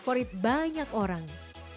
favorit banyak orang